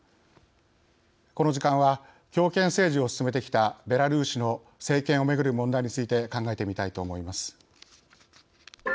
この時間は強権政治を進めてきたベラルーシの政権をめぐる問題について考えてみたいと思います。